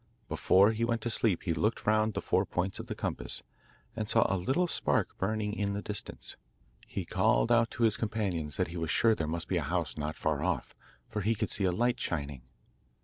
Before he went to sleep he looked round the four points of the compass, and saw a little spark burning in the distance. He called out to his companions that he was sure there must be a house not far off, for he could see a light shining.